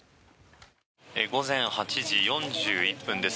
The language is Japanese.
午前８時４１分です。